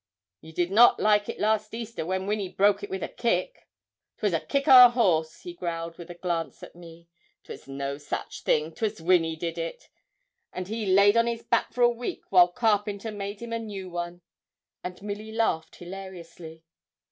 'You did not like it last Easter, when Winny broke it with a kick.' ''Twas a kick o' a horse,' he growled with a glance at me. ''Twas no such thing 'twas Winny did it and he laid on his back for a week while carpenter made him a new one.' And Milly laughed hilariously.